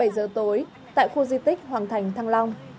bảy giờ tối tại khu di tích hoàng thành thăng long